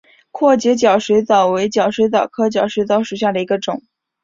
阔节角水蚤为角水蚤科角水蚤属下的一个种。